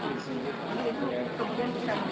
bisa dibayarkan bagaimana